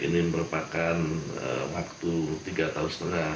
ini merupakan waktu tiga tahun setengah